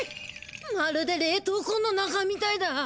まるでれいとう庫の中みたいだ。